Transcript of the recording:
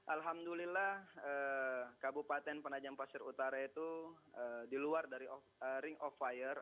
alhamdulillah kabupaten penajam pasir utara itu di luar dari ring of fire